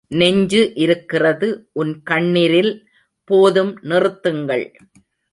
நெஞ்சு இருக்கிறது, உன் கண்ணிரில்! போதும், நிறுத்துங்கள்!